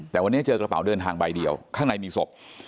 แต่วันนี้เจอกระเป๋าเดินทางใบเดียวข้างในมีศพ